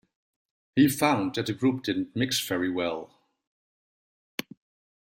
He found that the group didn't mix very well.